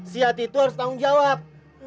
si hati itu harus tanggung jawab